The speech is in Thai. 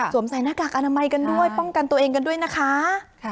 ใส่หน้ากากอนามัยกันด้วยป้องกันตัวเองกันด้วยนะคะ